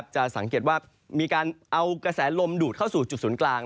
จะสังเกตว่ามีการเอากระแสลมดูดเข้าสู่จุดศูนย์กลาง